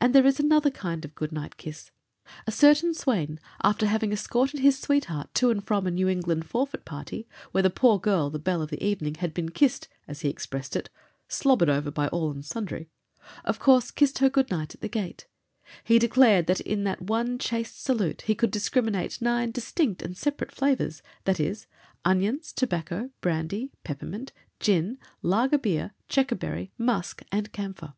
And there is another kind of good night kiss. A certain swain, after having escorted his sweetheart to and from a New England forfeit party, where the poor girl, the belle of the evening, had been kissed, as he expressed it, "slobbered over by all, and sundry," of course kissed her good night at the gate. He declared in that one chaste salute he could discriminate nine distinct and separate flavors, viz., onions, tobacco, brandy, peppermint, gin, lager beer, checkerberry, musk, and camphor.